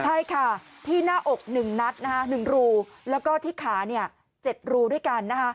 ใช่ค่ะที่หน้าอก๑นัด๑รูแล้วก็ที่ขา๗รูด้วยกัน